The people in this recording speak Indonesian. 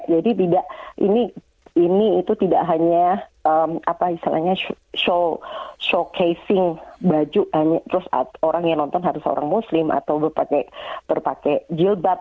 jadi ini itu tidak hanya apa istilahnya showcasing baju terus orang yang nonton harus orang muslim atau berpakaian jilbab